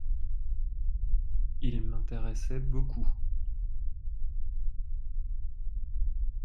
Il m'intéressait beaucoup.